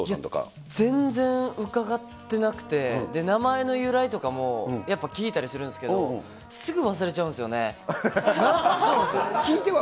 全然伺ってなくて、名前の由来とかも、やっぱり聞いたりするんですけれども、すぐ忘れちゃう聞いては？